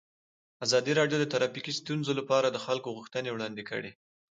ازادي راډیو د ټرافیکي ستونزې لپاره د خلکو غوښتنې وړاندې کړي.